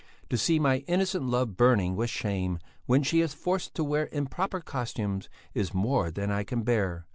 To see my innocent love burning with shame when she is forced to wear improper costumes, is more than I can bear.